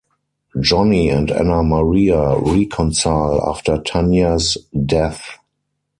Johnny and Ana Maria reconcile after Tanya's death.